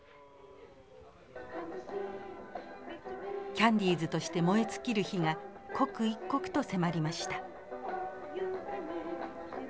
キャンディーズとして燃え尽きる日が刻一刻と迫りました。